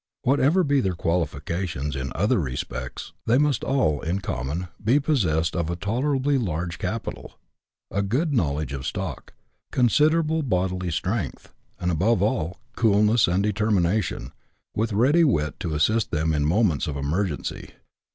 Whatever be their qualifications in other respects, they must all, in common, be possessed of a tolerably large capital, a good knowledge of stock, considerable bodily strength, and, above all, coolness and determination, with ready wit to assist them in moments of emergency.